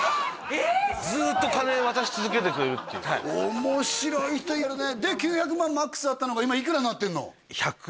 ずっと金渡し続けてくれるっていう面白い人いるねで９００万マックスあったのが今いくらになってんの？